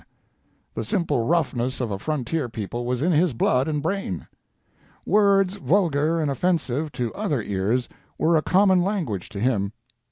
The simple roughness of a frontier people was in his blood and brain. "Words vulgar and offensive to other ears were a common language to him.